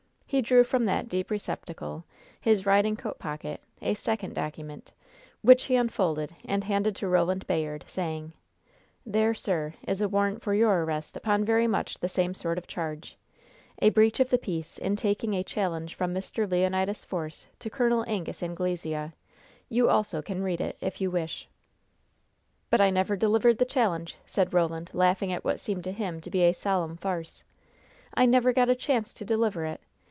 He drew from that deep receptacle, his riding coat pocket, a second document, which he unfolded and handed to Roland Bayard, saying: "There, sir, is a warrant for your arrest upon very much the same sort of charge a breach of the peace in taking a challenge from Mr. Leonidas Force to Col. Angus Anglesea. You also can read it, if you wish." "But I never delivered the challenge," said Roland, laughing at what seemed to him to be a solemn farce. "I never got a chance to deliver it.